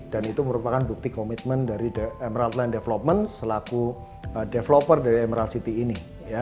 dan itu merupakan bukti komitmen dari emerald land development selaku developer dari emerald city ini